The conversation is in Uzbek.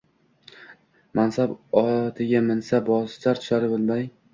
mansab otiga minsa, bosar-tusarini bilmay